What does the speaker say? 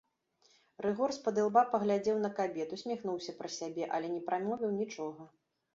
Рыгор з-пад ілба паглядзеў на кабет, усміхнуўся пра сябе, але не прамовіў нічога.